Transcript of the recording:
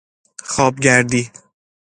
خواب گردی